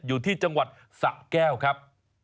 อยู่ที่จังหวัดสะแก้วครับ